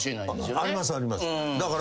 ありますあります。